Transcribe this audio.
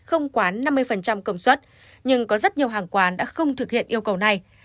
không quá năm mươi công suất nhưng có rất nhiều hàng quán đã không thực hiện yêu cầu này